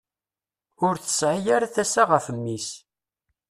Ur tesɛi ara tasa ɣef mmi-s.